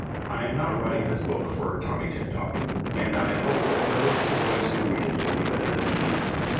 I am not writing this book for Tommy Tiptop, and I hope that most of the boys who read it will be better than he is.